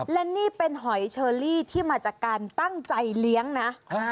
และนี่เป็นหอยเชอรี่ที่มาจากการตั้งใจเลี้ยงนะ